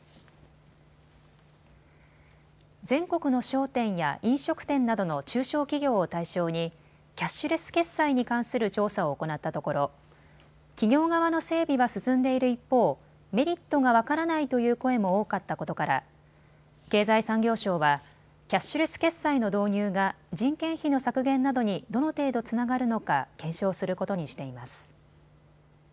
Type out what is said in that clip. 全国の商店や飲食店などの中小企業を対象にキャッシュレス決済に関する調査を行ったところ企業側の整備は進んでいる一方、メリットが分からないという声も多かったことから経済産業省はキャッシュレス決済の導入が人件費の削減などにどの程度つながるのか検証することにしています。